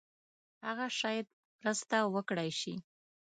هغه شاید مرسته وکړای شي.